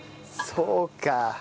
そうか。